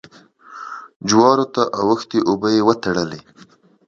جوارو ته اوښتې اوبه يې وتړلې.